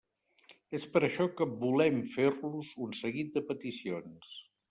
És per això que volem fer-los un seguit de peticions.